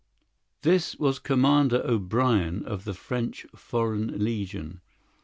This was Commandant O'Brien, of the French Foreign Legion.